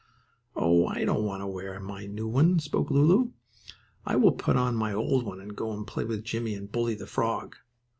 "Oh, I don't want to wear my new one," spoke Lulu. "I will put on my old one and go and play with Jimmie and Bully, the frog."